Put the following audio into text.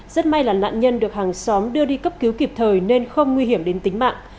rất may là nạn nhân được hàng xóm đưa đi cấp cứu kịp thời nên không nguy hiểm đến tính mạng